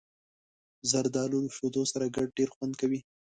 زردالو له شیدو سره ګډ ډېر خوند کوي.